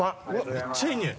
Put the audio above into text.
めっちゃいい匂い。